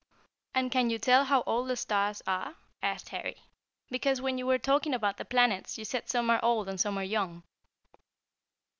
'" "And can you tell how old the stars are?" asked Harry; "because when you were talking about the planets you said some are old and some are young."